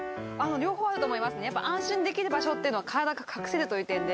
両方あると思いますねやっぱ安心できる場所というのは体が隠せるという点で。